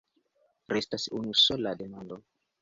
Restas unusola demando.